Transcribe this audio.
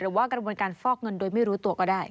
หรือว่ากระบวนการฟอกเงินโดยไม่รู้ตัวก็ได้